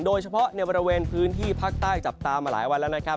โดยเฉพาะในบริเวณพื้นที่ภาคใต้จับตามาหลายวันแล้วนะครับ